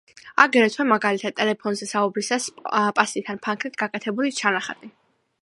აგრეთვე, მაგალითად, ტელეფონზე საუბრისას პასტით ან ფანქრით გაკეთებული ჩანახატი.